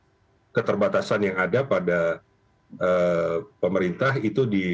sementara tentunya keterbatasan yang ada pada pemerintah itu diperlukan